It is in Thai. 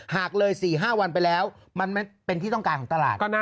หากเลย๔๕วันไปแล้วมันเป็นที่ต้องการของตลาด